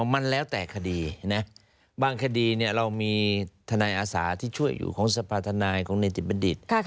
มันแล้วแต่คดีนะบางคดีเรามีทนายอาสาที่ช่วยอยู่ของสภาธนายของในจิตบัณฑิต